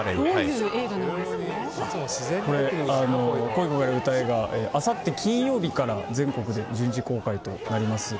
「恋い焦がれ歌え」があさって金曜日から全国で順次公開となります。